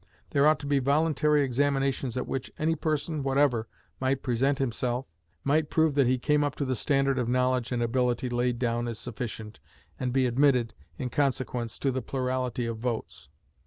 There ought to be voluntary examinations at which any person whatever might present himself, might prove that he came up to the standard of knowledge and ability laid down as sufficient, and be admitted, in consequence, to the plurality of votes.